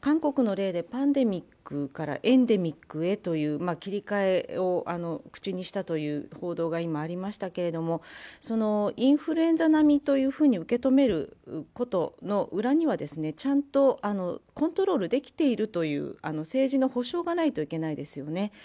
韓国の例でパンデミックからエンデミックへと切り替えを口にしたという報道が今ありましたけれども、インフルエンザ並みと受け止めることの裏にはちゃんとコントロールできているという政治の保障がないといけないですよね。